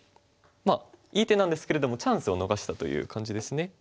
まあいい手なんですけれどもチャンスを逃したという感じですね。